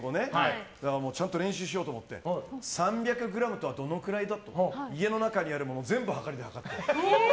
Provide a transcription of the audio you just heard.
ちゃんと練習しようと思って３００ｇとはどのくらいかと家の中にあるもの全部はかりで量って。